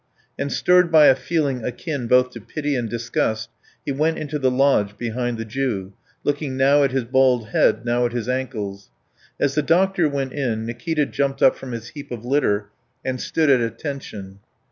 And stirred by a feeling akin both to pity and disgust, he went into the lodge behind the Jew, looking now at his bald head, now at his ankles. As the doctor went in, Nikita jumped up from his heap of litter and stood at attention.